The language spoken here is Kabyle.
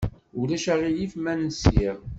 Ulac aɣilif ma nsiɣ?